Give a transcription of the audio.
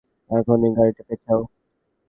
এখনই গাড়িটা পেছাও।